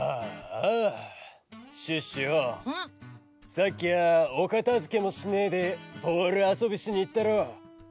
・さっきはおかたづけもしねえでボールあそびしにいったろ！